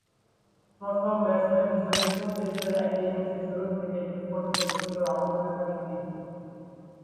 প্রথম ব্যাটসম্যান হিসেবে কোন টেস্টের এক ইনিংসে শুরু থেকে শেষ পর্যন্ত ব্যাটিং করে অপরাজিত থাকেন তিনি।